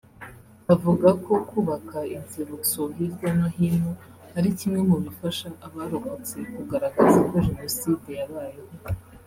Avuga ko Kubaka inzibutso hirya no hino ari kimwe mu bifasha abarokotse kugaragaza ko Jenoside yabayeho